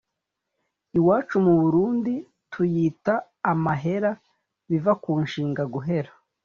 iwacu mu Burundi tuyita amahera biva ku nshinga guhera